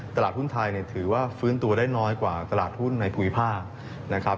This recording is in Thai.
ตลาดหุ้นไทยถือว่าฟื้นตัวได้น้อยกว่าตลาดหุ้นในภูมิภาคนะครับ